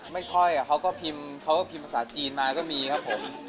ไม่ค่อยอะเขาก็พิมพ์ภาษาจีนมาก็มีครับผม